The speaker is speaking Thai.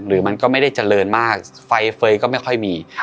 มันก็ไม่ได้เจริญมากไฟเฟย์ก็ไม่ค่อยมี